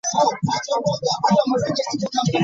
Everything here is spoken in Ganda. Yasabye abantu okumulabirako nabo bakole nga ye